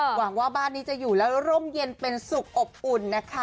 หวังว่าบ้านนี้จะอยู่แล้วร่มเย็นเป็นสุขอบอุ่นนะคะ